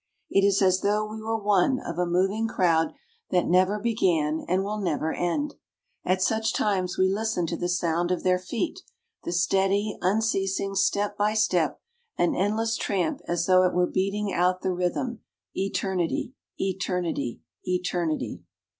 It is as though we were one of a moving crowd that never began and will never end. At such times we listen to the sound of their feet, the steady, unceasing step by step, an endless tramp as though it were beating out the rhythm "Eternity, eternity, eternity."